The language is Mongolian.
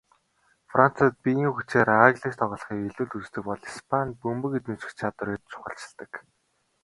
Францад биеийн хүчээр ааглаж тоглохыг илүүд үздэг бол Испанид бөмбөг эзэмших чадварыг чухалчилдаг.